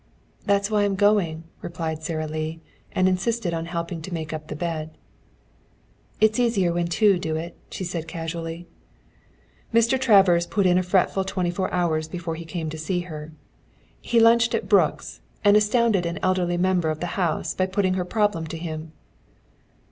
"That's why I'm going," replied Sara Lee, and insisted on helping to make up the bed. "It's easier when two do it," she said casually. Mr. Travers put in a fretful twenty four hours before he came to see her. He lunched at Brooks', and astounded an elderly member of the House by putting her problem to him.